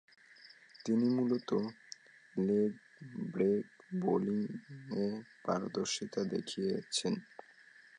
তিনি মূলতঃ leg break বোলিংয়ে পারদর্শিতা দেখিয়েছেন।